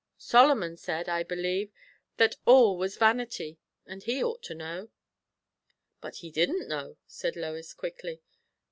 Solomon said, I believe, that all was vanity. And he ought to know." "But he didn't know," said Lois quickly.